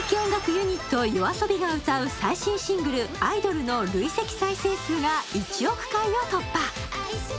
ユニットＹＯＡＳＯＢＩが歌う最新シングル「アイドル」の累積再生数が１億回を突破。